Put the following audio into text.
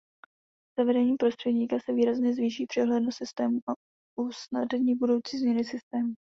Zavedením prostředníka se výrazně zvýší přehlednost systému a usnadní budoucí změny systému.